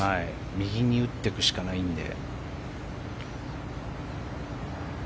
右へ打っていくしかないので。